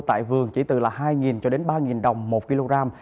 tại vườn chỉ từ là hai cho đến ba đồng một kg